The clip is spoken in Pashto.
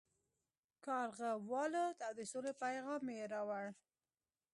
کارغه والوت او د سولې پیام یې راوړ.